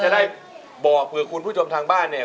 ได้บอกเผื่อคุณผู้ชมทางบ้านเนี่ย